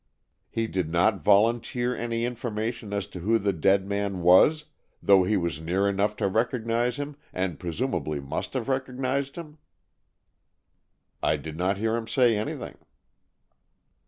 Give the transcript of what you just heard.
"He did not volunteer any information as to who the dead man was, though he was near enough to recognize him, and presumably must have recognized him?" "I did not hear him say anything."